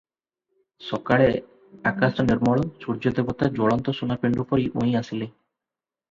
ସକାଳେ ଅକାଶ ନିର୍ମଳ, ସୁର୍ଯ୍ୟଦେବତା ଜ୍ୱଳନ୍ତସୁନା ପେଣ୍ଡୁ ପରି ଉଇଁ ଆସିଲେ ।